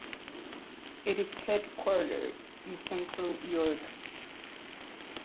It is headquartered in central York.